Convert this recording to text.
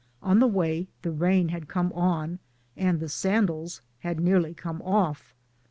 On the way the rain had come on, and the sandals had nearly come off.